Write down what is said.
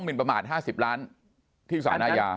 หมิ่นประมาณ๕๐ล้านที่ศาลายา